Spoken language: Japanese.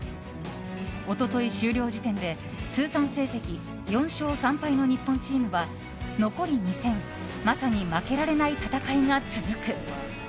一昨日終了時点で通算成績４勝３敗の日本チームは、残り２戦まさに負けられない戦いが続く。